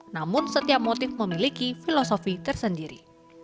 namun setiap motif memiliki filosofi tersendiri